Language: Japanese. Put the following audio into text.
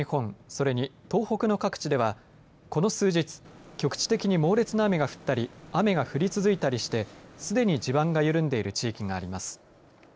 それに、東北の各地ではこの数日局地的に猛烈な雨が降ったり雨が降り続いたりしてすでに地盤が緩んでいる地域があります。